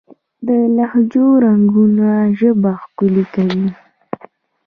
د لهجو رنګونه ژبه ښکلې کوي.